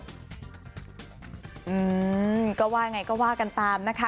อืมก็ว่าไงก็ว่ากันตามนะคะ